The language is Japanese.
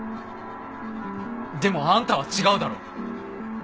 でもあんたは違うだろ。